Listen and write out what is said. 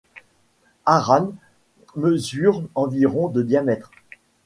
Arawn mesure environ de diamètre.